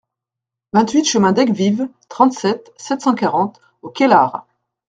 vingt-huit chemin d'Aigues-Vives, trente, sept cent quarante au Cailar